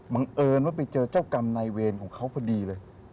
เอิญว่าไปเจอเจ้ากรรมนายเวรของเขาพอดีเลย